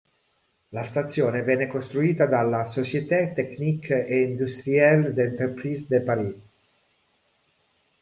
La stazione venne costruita dalla "Société technique et industrielle d’entreprises de Paris".